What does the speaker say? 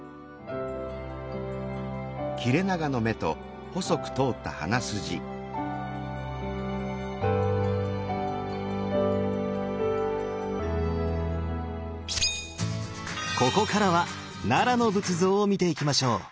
ここからは奈良の仏像を見ていきましょう！